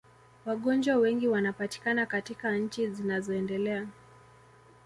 Wagonjwa wengi wanapatikana katika nchi zinazoendelea